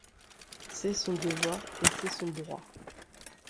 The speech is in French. C’est son devoir et c’est son droit.